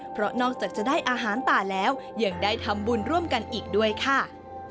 เพราะนอกจากจะได้อาหารป่าแล้วยังได้ทำบุญร่วมกันอีกด้วยค่ะ